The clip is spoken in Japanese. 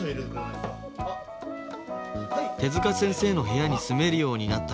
手先生の部屋に住めるようになった